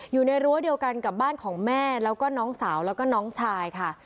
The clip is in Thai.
รั้วเดียวกันกับบ้านของแม่แล้วก็น้องสาวแล้วก็น้องชายค่ะ